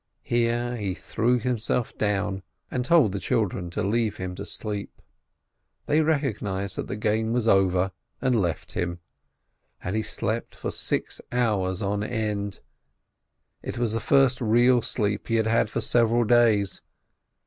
Here he threw himself down, and told the children to leave him to sleep. They recognised that the game was over and left him. And he slept for six hours on end; it was the first real sleep he had had for several days.